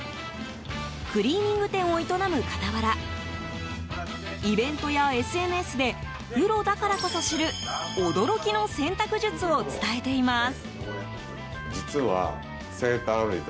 クリーニング店を営む傍らイベントやＳＮＳでプロだからこそ知る驚きの洗濯術を伝えています。